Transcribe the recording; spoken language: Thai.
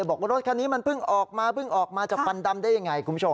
จะบอกว่ารถคันนี้มันเพิ่งออกมาอย่างไร